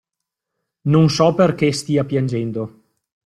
Non so perché stia piangendo.